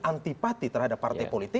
antipati terhadap partai politik